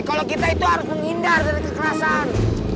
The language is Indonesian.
kalau kita itu harus menghindar dari kekerasan